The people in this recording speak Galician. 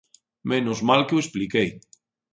¡Menos mal que o expliquei!